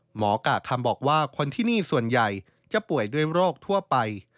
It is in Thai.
กล่าคำบอกว่าคนที่นี่ส่วนใหญ่จะป่วยด้วยโรคทั่วไป